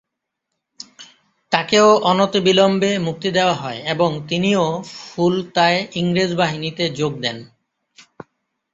তাকেও অনতিবিলম্বে মুক্তি দেওয়া হয় এবং তিনিও ফুলতায় ইংরেজ বাহিনীতে যোগ দেন।